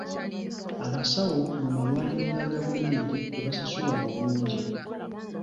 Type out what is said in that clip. Abasawo mu malwaliro ga gavumenti tebasasulwa bulungi.